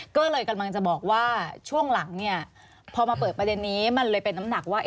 ก็เลยกำลังจะบอกว่าช่วงหลังเนี่ยพอมาเปิดประเด็นนี้มันเลยเป็นน้ำหนักว่า